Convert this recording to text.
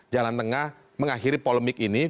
jalan tengah mengakhiri polemik ini